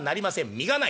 実がない。